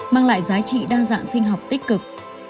mang lại giá trị đa dạng sinh học tích cực